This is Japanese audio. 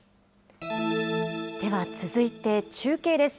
では続いて中継です。